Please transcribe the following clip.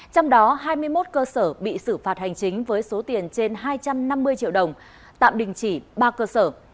trong đó hai mươi một cơ sở bị xử phạt hành chính với số tiền trên hai trăm năm mươi triệu đồng tạm đình chỉ ba cơ sở